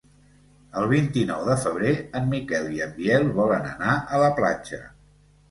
El vint-i-nou de febrer en Miquel i en Biel volen anar a la platja.